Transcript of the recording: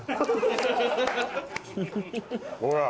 ほら。